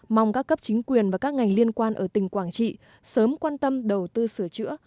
mong các cấp chính quyền và các ngành liên quan ở tỉnh quảng trị sớm quan tâm đầu tư sửa chữa